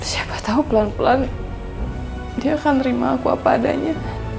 siapa tahu pelan pelan dia akan terima aku apa adanya